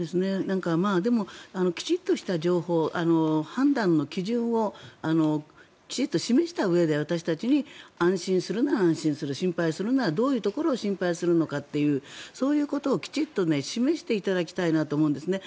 でも、きちんとした情報判断の基準をきちんと示したうえで私たちに安心するなら安心する心配するならどういうところを心配するというそういうことをきちんと示していただきたいなと思うんですね。